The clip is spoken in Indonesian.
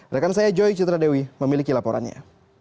rekan saya joy citradewi memiliki laporannya